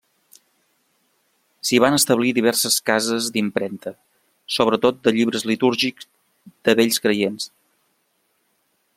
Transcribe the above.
S'hi van establir diverses cases d'impremta, sobretot de llibres litúrgics de Vells creients.